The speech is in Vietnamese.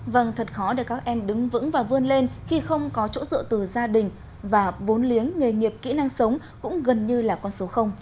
vâng thật khó để các em đứng vững và vươn lên khi không có chỗ dựa từ gia đình và bốn liếng nghề nghiệp kỹ năng sống cũng gần như là con số